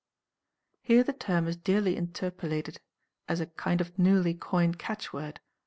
Here the term is dearly interpolated as a kind of newly coined catchword.